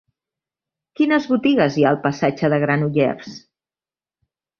Quines botigues hi ha al passatge de Granollers?